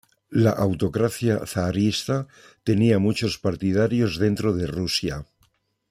La autocracia zarista tenía muchos partidarios dentro de Rusia.